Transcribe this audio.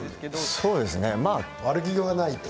そうですね。